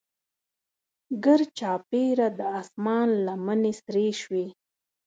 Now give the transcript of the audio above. ګرچاپیره د اسمان لمنې سرې شوې.